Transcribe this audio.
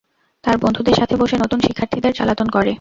তার বন্ধুদের সাথে বসে নতুন শিক্ষার্থীদের জালাতন করে।